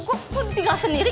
gue mau tinggal sendiri